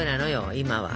今は。